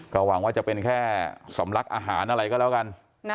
ก็หวังว่าจะเป็นแค่สำลักอาหารอะไรก็แล้วกัน